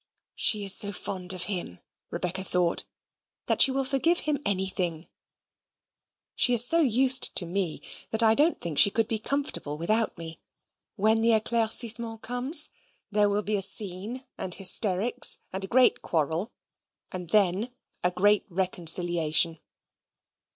She is so fond of him, Rebecca thought, that she will forgive him anything: she is so used to me that I don't think she could be comfortable without me: when the eclaircissement comes there will be a scene, and hysterics, and a great quarrel, and then a great reconciliation.